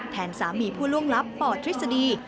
แทนสามีผู้ล่วงลับปทฤษฎี